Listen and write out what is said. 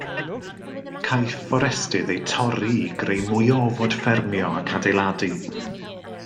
Caiff fforestydd eu torri i greu mwy o ofod ffermio ac adeiladu.